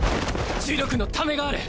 呪力のためがある。